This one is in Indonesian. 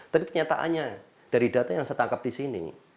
tapi kenyataannya dari data yang saya tangkap disini